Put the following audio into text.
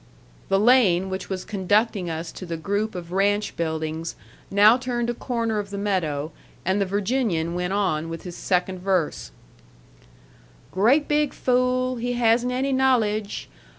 The lane which was conducting us to the group of ranch buildings now turned a corner of the meadow, and the Virginian went on with his second verse: "'Great big fool, he hasn't any knowledge.